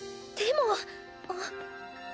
でもあっ。